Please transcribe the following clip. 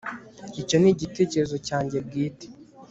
Icyo ni igitekerezo cyanjye bwite